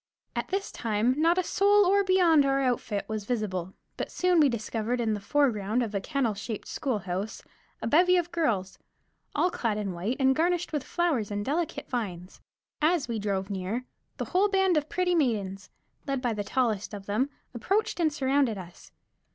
At this time not a soul beyond our outfit was visible, but soon we discovered in the foreground of a kennel shaped schoolhouse a bevy of girls, all clad in white and garnished with flowers and delicate vines. As we drove near, the whole band of pretty maidens, led by the tallest of them, approached and surrounded us.